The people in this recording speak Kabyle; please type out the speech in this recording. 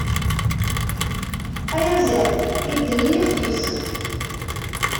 Ayaziḍ idden i yixf-is.